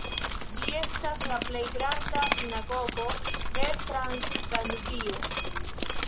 Ĝi estas la plej granda sinagogo de Transdanubio.